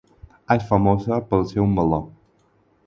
És famosa pel seu meló.